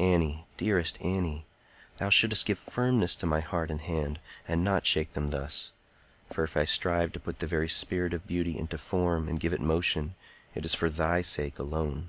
Annie! dearest Annie! thou shouldst give firmness to my heart and hand, and not shake them thus; for if I strive to put the very spirit of beauty into form and give it motion, it is for thy sake alone.